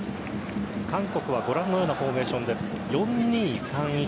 韓国はご覧のようなフォーメーションです。